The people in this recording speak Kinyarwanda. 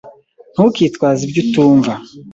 Ntukitwaze ibyo utumva.